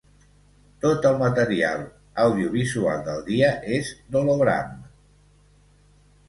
Tot el material audiovisual del dia és d'Hologramme.